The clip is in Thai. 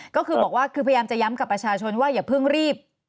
ก็คือบอกว่าคือพยายามจะย้ำกับประชาชนว่าอย่าเพิ่งรีบ